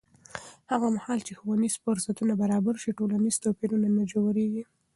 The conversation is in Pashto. هغه مهال چې ښوونیز فرصتونه برابر شي، ټولنیز توپیر نه ژورېږي.